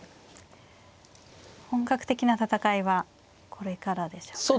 本格的な戦いはこれからでしょうかね。